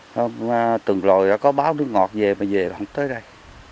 thông tuần lòi có báo nướng ngọt về mà về mà không tới đây